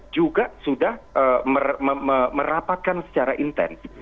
juga sudah merapatkan secara intens